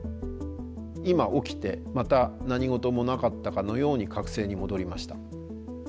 今起きてまた何事もなかったかのように覚醒に戻りました。